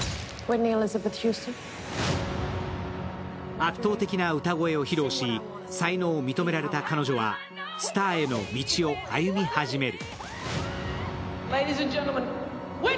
圧倒的な歌声を披露し才能を認められた彼女はスターへの道を歩み始める。